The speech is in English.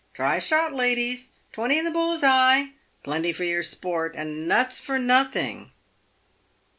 try a shot, ladies ! Twenty in the bull's eye ! Plenty for your sport, and nuts for nothing